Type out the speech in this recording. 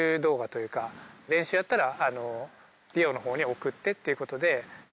練習やったらリオのほうに送ってっていうことで。